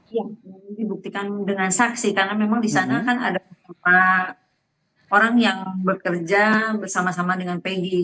ya dibuktikan dengan saksi karena memang di sana kan ada beberapa orang yang bekerja bersama sama dengan pg